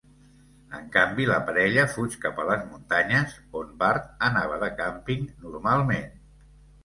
En canvi, la parella fuig cap a les muntanyes, on Bart anava de càmping normalment.